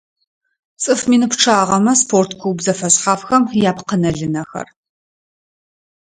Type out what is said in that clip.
ЦӀыф мин пчъагъэмэ спорт клуб зэфэшъхьафхэм япкъынэ-лынэхэр.